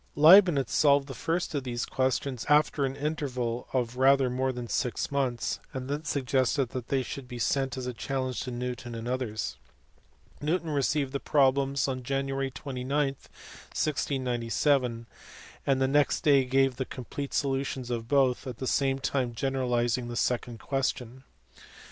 Leibnitz solved the first of these questions after an interval of rather more than six months, and then suggested they should be sent as a challenge to Newton and others. Newton received the problems on Jan. 29, 1697, and the next day gave the complete solutions of both, at the same time generalizing the second question.